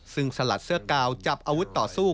ซึ่งสลัดเสื้อกาวจับอาวุธต่อสู้